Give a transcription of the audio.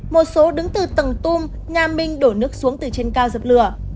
một số đứng từ tầng tung nhà minh đổ nước xuống từ trên cao dập lửa